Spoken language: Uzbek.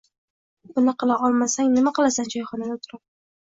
Buni qila olmasang nima qilasan choyxonada o'tirib.